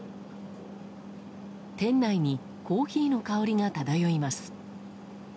店内にコーヒーの香りが漂います。